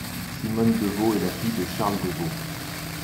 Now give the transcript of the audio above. Simone Deveaux est la fille de Charles Deveaux.